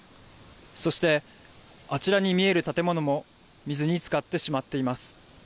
そして、あちらに見える建物も水につかってしまっています。